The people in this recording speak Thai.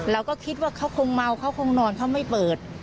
เราก็คิดว่าเขาคงเมาเขาคงนอนเขาไม่เปิด